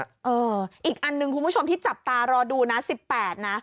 เอออีกอันหนึ่งคุณผู้ชมที่จับตารอดูนะ๑๘นะ